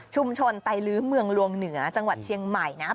ไตลื้อเมืองลวงเหนือจังหวัดเชียงใหม่นะครับ